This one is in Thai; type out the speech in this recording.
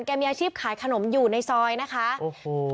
มีอาชีพขายขนมอยู่ในซอยนะคะโอ้โห